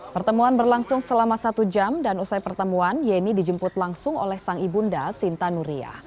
pertemuan berlangsung selama satu jam dan usai pertemuan yeni dijemput langsung oleh sang ibunda sinta nuria